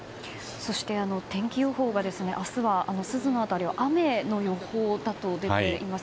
そして、天気予報が明日は珠洲の辺りは雨の予報と出ています。